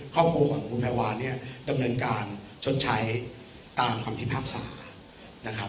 ข้อมูลของคุณแมวานดำเนินการชดใช้ตามความทิภาพสาห์